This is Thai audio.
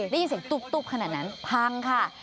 ได้ยินเสียงตุ๊บขนาดนั้นพังค่ะ